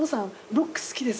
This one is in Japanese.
ロック好きですよね。